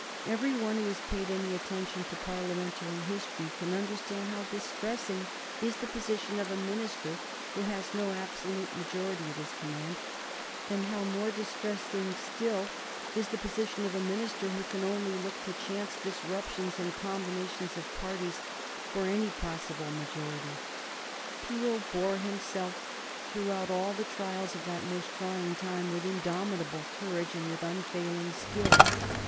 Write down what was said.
Every one who has paid any attention to Parliamentary history can understand how distressing is the position of a minister who has no absolute majority at his command, and how more distressing still is the position of a minister who can only look to chance disruptions and combinations of parties for any possible majority. Peel bore himself throughout all the trials of that most trying time with indomitable courage and with unfailing skill.